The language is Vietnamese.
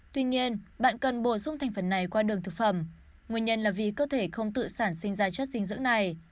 tuy nhiên bạn cần bổ sung thành phần này qua đường thực phẩm nguyên nhân là vì cơ thể không tự sản sinh ra chất dinh dưỡng này